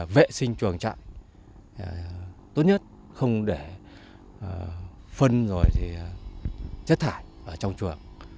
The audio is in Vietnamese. vệ sinh chuồng trại tốt nhất không để phân rồi chất thải ở trong chuồng